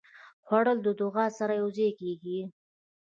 خوړل د دعا سره یوځای کېږي